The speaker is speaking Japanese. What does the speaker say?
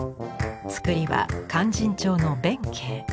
つくりは「勧進帳」の弁慶。